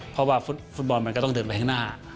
เพราะว่าฟุตบอลมันก็ต้องเดินไปข้างหน้า